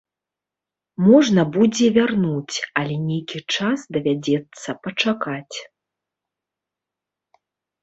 Можна будзе вярнуць, але нейкі час давядзецца пачакаць.